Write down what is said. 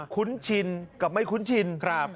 คุ้นชินกับไม่คุ้นชิน